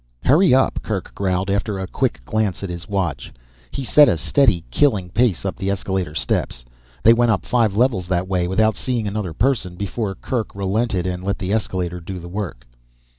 "Hurry up," Kerk growled after a quick glance at his watch. He set a steady, killing pace up the escalator steps. They went up five levels that way without seeing another person before Kerk relented and let the escalator do the work.